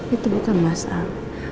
itu bukan mas al